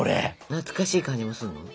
懐かしい感じもするの？